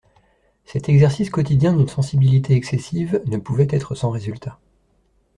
Cet exercice quotidien d'une sensibilité excessive ne pouvait être sans résultats.